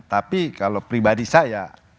tapi kalau pribadi saya